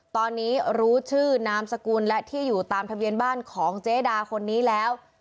ตอนนี้รู้ชื่อนามสกุลและที่อยู่ทางของเจดาคนนี้แล้ว